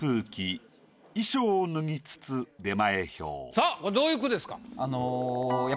さぁこれどういう句ですか？